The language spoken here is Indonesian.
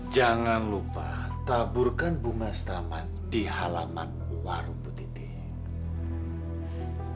jangan lupa taburkan bumas taman di halaman warung putih ting